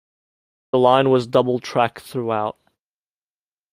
The line was double track throughout.